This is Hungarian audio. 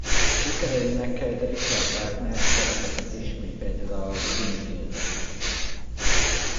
Sikerrel énekelt Richard Wagner szerepeket is mint például a Brünnhilde.